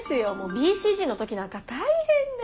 ＢＣＧの時なんか大変で。